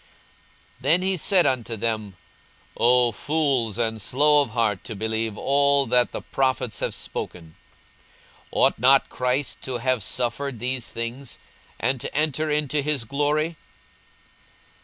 42:024:025 Then he said unto them, O fools, and slow of heart to believe all that the prophets have spoken: 42:024:026 Ought not Christ to have suffered these things, and to enter into his glory?